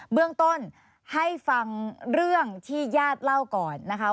เบื้องต้นให้ฟังเรื่องที่ญาติเล่าก่อนนะคะ